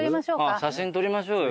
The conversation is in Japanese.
写真撮りましょうよ